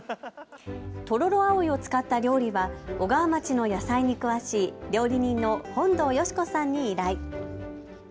トロロアオイを使った料理は小川町の野菜に詳しい料理人の本道佳子さんに依頼。